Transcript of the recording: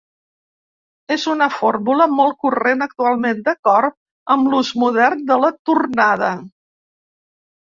És una fórmula molt corrent actualment, d'acord amb l'ús modern de la tornada.